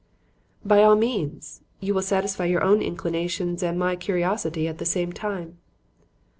"By all means. You will satisfy your own inclinations and my curiosity at the same time."